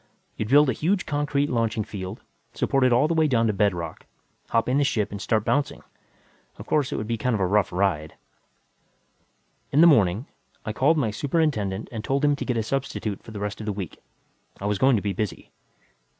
You'd build a huge concrete launching field, supported all the way down to bedrock, hop in the ship and start bouncing. Of course it would be kind of a rough ride.... In the morning, I called my superintendent and told him to get a substitute for the rest of the week; I was going to be busy.